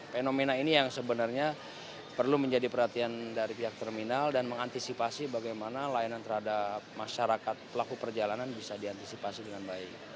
fenomena ini yang sebenarnya perlu menjadi perhatian dari pihak terminal dan mengantisipasi bagaimana layanan terhadap masyarakat pelaku perjalanan bisa diantisipasi dengan baik